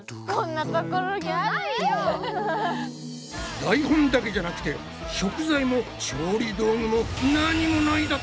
台本だけじゃなくて食材も調理道具も何もないだと！？